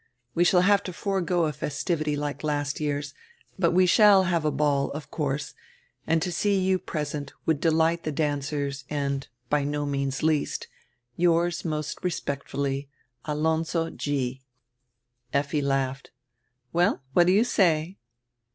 We shall have to forego a festivity like last year's, but we shall have a ball, of course, and to see you present would delight tire dancers and, by no means least, Yours nrost respectfully, Alonzo G" Effi laughed. "Well, what do you say?"